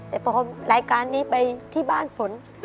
แต่พอรายการนี้ไปที่บ้านฝน